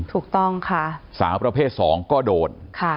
ถูกต้องค่ะสาวประเภท๒ก็โดน